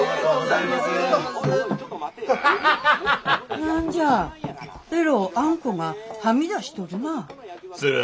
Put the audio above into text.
何じゃえろうあんこがはみ出しとるなあ。